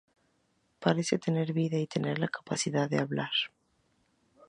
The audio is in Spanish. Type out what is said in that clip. Parece tener vida y tiene la capacidad de hablar.